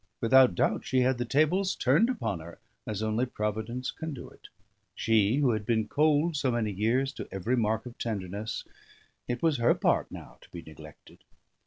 Without doubt she had the tables turned upon her, as only Providence can do it; she who had been cold so many years to every mark of tenderness, it was her part now to be neglected.